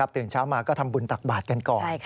ตื่นเช้ามาก็ทำบุญตักบาทกันก่อน